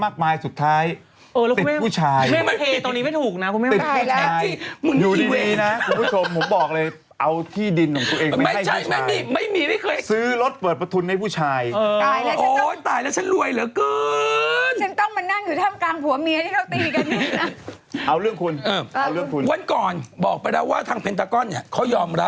เขาชื่ออะไรกันคะ